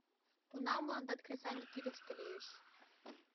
Тунам мландат кресаньык кидыште лиеш.